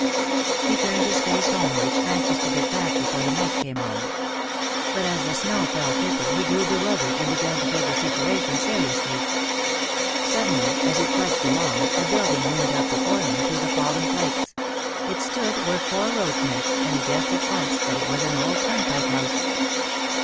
He turned his face homewards, anxious to get back before the night came on. But as the snow fell thicker he grew bewildered, and began to take the situation seriously. Suddenly, as he trudged along, a building loomed up before him through the fallen flakes; it stood where four roads met, and he guessed at once that it was an old turnpike house.